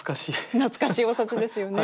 懐かしいお札ですよね。